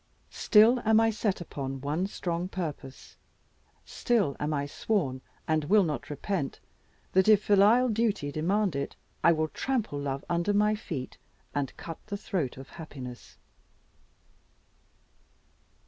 Still am I set upon one strong purpose. Still am I sworn, and will not repent, that if filial duty demand it, I will trample love under my feet, and cut the throat of happiness.